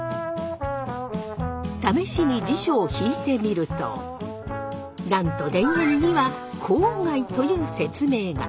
試しに辞書を引いてみるとなんと田園には「郊外」という説明が。